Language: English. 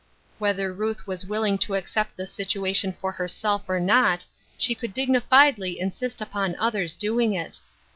Whether Ruth was willing to accept the situar tion for hijrself or not, she could dignifiedly insist upon others doing it.